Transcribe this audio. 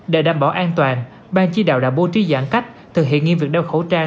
để đảm bảo an toàn ban chỉ đạo đã bố trí giãn cách thực hiện nghiêm việc đeo khẩu trang